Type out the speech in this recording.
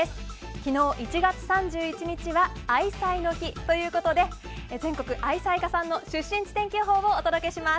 昨日１月３１日は愛妻の日ということで全国愛妻家さんの出身地天気予報です。